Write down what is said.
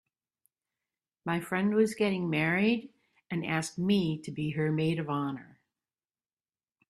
My friend was getting married and asked me to be her maid of honor.